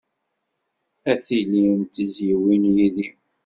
Ad tilim d tizzyiwin yid-i.